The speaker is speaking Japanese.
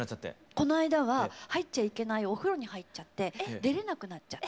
この間は入っちゃいけないお風呂に入っちゃって出れなくなっちゃって。